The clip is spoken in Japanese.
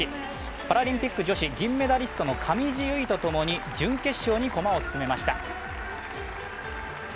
パラリンピック女子銀メダリスト・上地結衣と共に準決勝に駒を進めました。